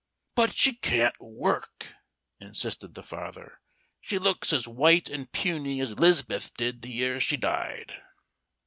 "But she can't work," insisted the father. "She looks as white and puny as 'Liz'beth did the year she died."